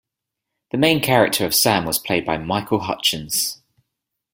The main character of Sam was played by Michael Hutchence.